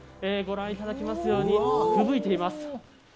ご覧いただきますように、ふぶいています。